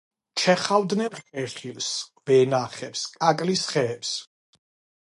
ჩეხავდნენ ხეხილს, ვენახებს, კაკლის ხეებს.